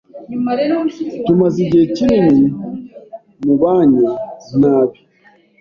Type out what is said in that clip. Tumaze igihe kinini mubanye nabi.